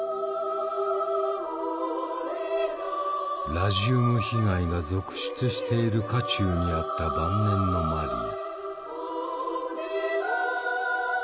ラジウム被害が続出している渦中にあった晩年のマリー。